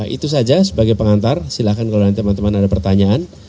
itu saja sebagai pengantar silahkan kalau nanti teman teman ada pertanyaan